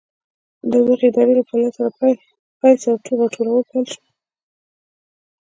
د دغې ادارې له فعالیت پیل سره راټولول پیل شول.